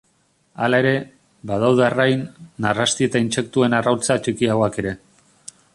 Hala ere, badaude arrain, narrasti eta intsektuen arrautza txikiagoak ere.